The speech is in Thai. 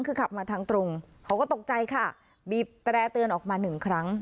คือขับมาทางตรงเขาก็ตกใจค่ะบีบแตร่เตือนออกมาหนึ่งครั้ง